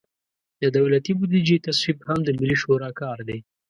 د دولتي بودیجې تصویب هم د ملي شورا کار دی.